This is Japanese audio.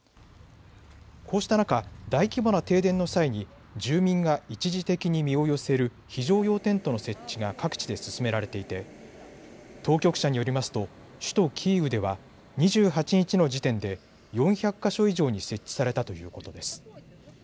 こうした中、大規模な停電の際に住民が一時的に身を寄せる非常用テントの設置が各地で進められていて当局者によりますと首都キーウでは２８日の時点で４００か所以上に設置されたということです。